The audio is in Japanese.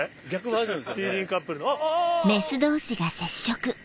フィーリングカップルの。